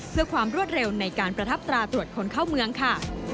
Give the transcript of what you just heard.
เพื่อความรวดเร็วในการประทับตราตรวจคนเข้าเมืองค่ะ